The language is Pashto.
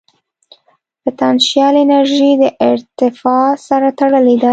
پټنشل انرژي د ارتفاع سره تړلې ده.